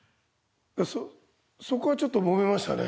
そこはちょっともめましたね